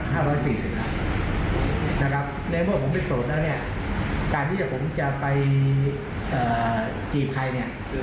ในเมื่อผมเป็นโสดแล้วการที่จะไปจีบใคร